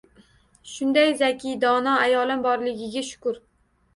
Shunday zakiy, dono ayolim borligiga shukur!